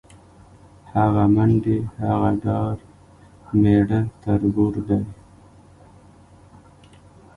هغه منډې، هغه ډار میړه تربور دی